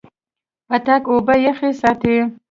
پتک اوبه یخې ساتي.